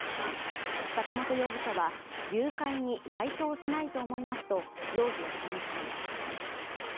坂本容疑者は、誘拐に該当しないと思いますと容疑を否認しています。